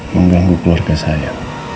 mengganggu keluarga saya